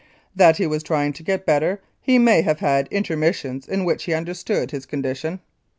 That he was trying to get better, he may have had intermissions in which he understood his condition.